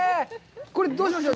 これ、どうしましょう？